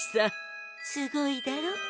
すごいだろ？